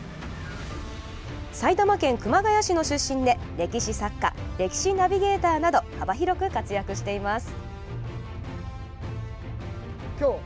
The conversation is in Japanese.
埼玉県熊谷市の出身で歴史作家・歴史ナビゲーターなど幅広く活躍しています。